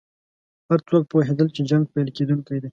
هر څوک پوهېدل چې جنګ پیل کېدونکی دی.